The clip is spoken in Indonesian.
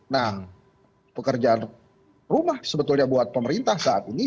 nah pekerjaan rumah sebetulnya buat pemerintah saat ini